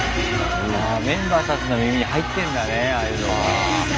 メンバーたちの耳に入ってんだねああいうのが。